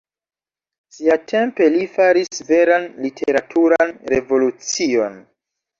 Siatempe li faris veran literaturan revolucion.